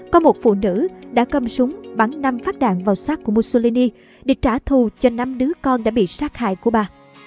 có một phụ nữ đã cầm súng bắn năm phát đạn vào sát của mussolini để trả thù cho năm đứa con đã bị sát hại của bà